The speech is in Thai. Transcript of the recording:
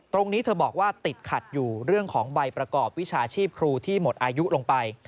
ตรงนี้เธอบอกว่าติดขัดอยู่เรื่องของใบประกอบวิชาชีพครูที่หมดอายุลงไป